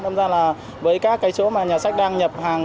nên là với các cái chỗ mà nhà sách đang nhập hàng